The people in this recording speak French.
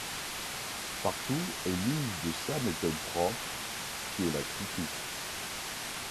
Partout elle use de sa méthode propre, qui est la critique.